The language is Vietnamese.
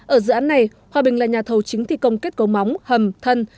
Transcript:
ở dự án này hòa bình là nhà thầu chính thi công kết cấu móng hầm thân